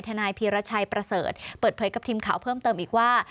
นายพีรชัยประเสริฐเปิดเผยกับทีมข่าวเพิ่มเติมอีกว่า